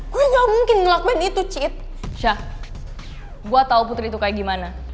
gue nggak mungkin ngelakuin itu cip syah gua tahu putri itu kayak gimana